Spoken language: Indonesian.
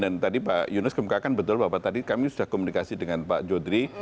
dan tadi pak yunus kemukakan betul bahwa tadi kami sudah komunikasi dengan pak jodri